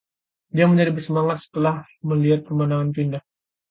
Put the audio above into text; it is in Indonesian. Dia menjadi bersemangat setelah melihat pemandangan indah itu.